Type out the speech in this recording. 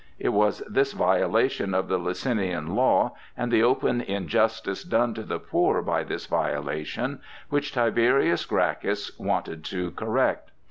It was this violation of the Licinian law, and the open injustice done to the poor by this violation, which Tiberius Gracchus wanted to correct.